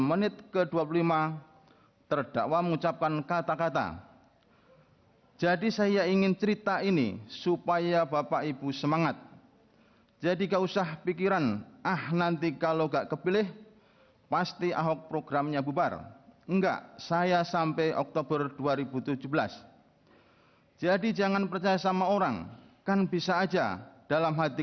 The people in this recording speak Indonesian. menimbang bahwa berdasarkan keterangan saksi